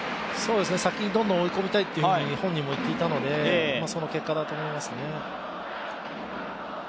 先にどんどん追い込みたいと本人も言っていたので、その結果だと思いますね。